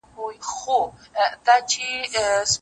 او پر سر یې را اخیستي کشمیري د خیال شالونه